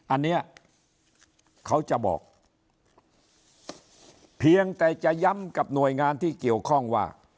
อันนี้เขาจะบอกเพียงแต่จะย้ำกับหน่วยงานที่เกี่ยวข้องว่า